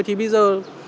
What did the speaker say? thì bây giờ